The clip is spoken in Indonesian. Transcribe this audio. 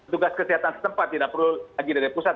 tugas kesehatan setempat tidak perlu lagi dari pusat